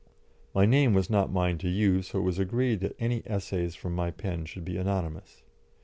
My name was not mine to use, so it was agreed that any essays from my pen should be anonymous.